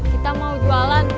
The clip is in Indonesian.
kita mau jualan